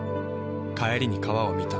帰りに川を見た。